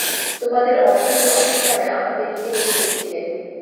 তোমাদের অভ্যাসের অন্ধকারে আমাকে ঢেকে রেখে দিয়েছিলে।